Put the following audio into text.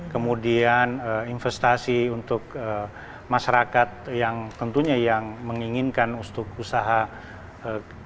kemudian investasi untuk masyarakat yang tentunya yang menginginkan usaha kerajinan ini